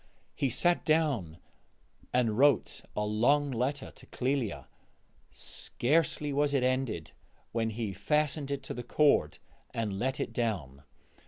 He sat down and wrote a long letter to Clélia; scarcely was it ended when he fastened it to the cord and let it down.